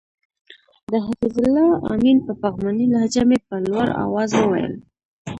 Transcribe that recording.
د حفیظ الله آمین په پغمانۍ لهجه مې په لوړ اواز وویل.